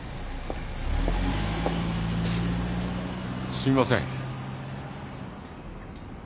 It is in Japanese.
すいません。